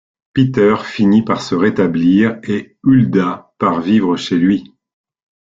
Peter finit par se rétablir et Hulda part vivre chez lui.